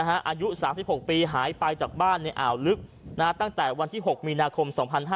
อายุ๓๖ปีหายไปจากบ้านในอ่าวลึกตั้งแต่วันที่๖มีนาคม๒๕๕๙